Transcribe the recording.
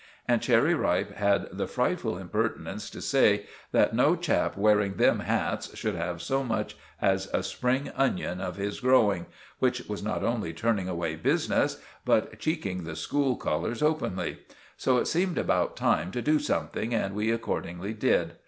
And Cherry Ripe had the frightful impertinence to say that "No chap wearing them hats" should have so much as a spring onion of his growing, which was not only turning away business, but cheeking the school colours openly. So it seemed about time to do something, and we accordingly did.